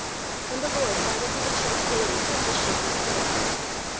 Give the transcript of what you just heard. "And the Lord added to the church daily such as should be saved."